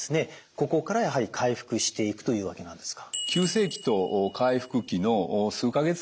ここからやはり回復していくというわけなんですか？